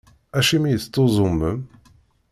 Acimi i tettuẓumem?